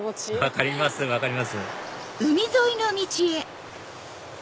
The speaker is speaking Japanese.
分かります分かります